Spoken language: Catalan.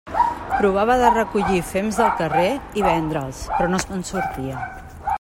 Provava de recollir fems del carrer i vendre'ls, però no se'n sortia.